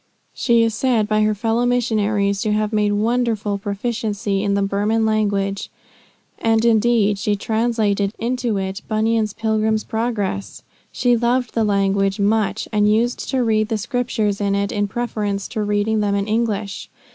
She is said by her fellow Missionaries to have made wonderful proficiency in the Burman language, and indeed she translated into it Bunyan's Pilgrim's Progress. She loved the language much; and used to read the Scriptures in it in preference to reading them in English.